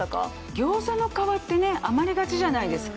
ギョーザの皮って余りがちじゃないですか。